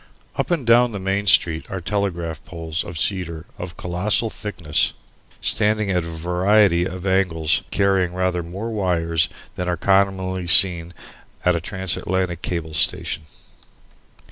Up and down the Main Street are telegraph poles of cedar of colossal thickness, standing at a variety of angles and carrying rather more wires than are commonly seen at a transatlantic cable station.